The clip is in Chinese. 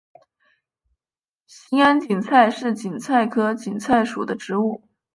兴安堇菜是堇菜科堇菜属的植物。